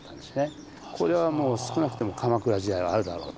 これはもう少なくとも鎌倉時代はあるだろうと。